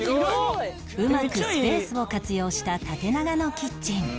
うまくスペースを活用した縦長のキッチン